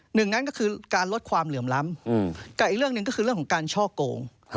หนึ่งนั้นก็คือการลดความเหลื่อมล้ำกับอีกเรื่องหนึ่งก็คือเรื่องของการช่อโกง